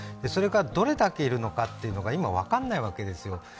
それがどれだけいるのかが今分からないわけですよ。